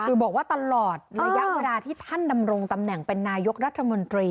คือบอกว่าตลอดระยะเวลาที่ท่านดำรงตำแหน่งเป็นนายกรัฐมนตรี